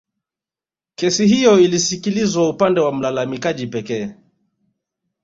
Kesi hiyo ilisikilizwa upande wa mlalamikaji pekee